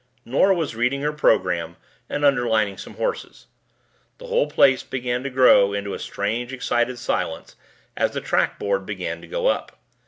Nora was reading her program and underlining some horses. The whole place began to grow into a strange excited silence as the track board began to go up.